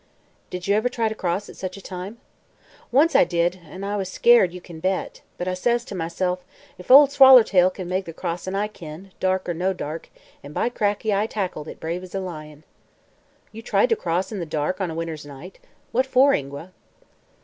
"Did you ever try to cross at such a time?" "Once I did, an' I was skeered, you kin bet. But I says to myself: 'If Ol' Swallertail kin make the crossin', I kin dark or no dark an' by cracky I tackled it brave as a lion." "You tried to cross in the dark, on a winter's night? What for, Ingua?"